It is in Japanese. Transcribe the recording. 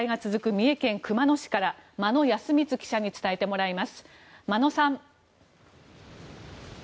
三重県熊野市から真野恭光記者に伝えてもらいます真野さん。